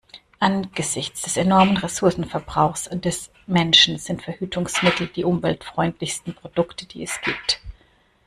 Angesichts des enormen Ressourcenverbrauchs des Menschen sind Verhütungsmittel die umweltfreundlichsten Produkte, die es gibt.